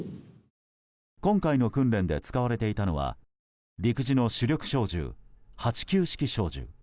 今回の訓練で使われていたのは陸自の主力小銃、８９式小銃。